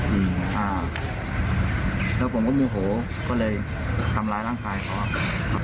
อืมอ่าแล้วผมก็โมโหก็เลยทำร้ายร่างกายเขาครับ